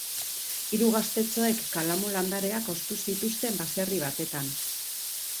Hiru gaztetxoek kalamu landareak ostu zituzten baserri batean.